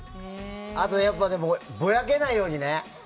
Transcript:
あと、ぼやけないようにね。